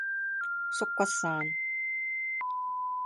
縮骨遮